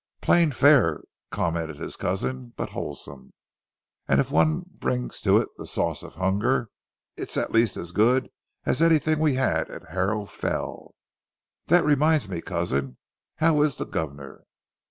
"Plain fare," commented his cousin, "but wholesome, and if one brings to it the sauce of hunger, it's at least as good as anything we had at Harrow Fell.... And that reminds me, cousin. How is the governor?"